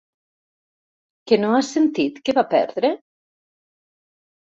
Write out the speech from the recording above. Que no has sentit que va perdre?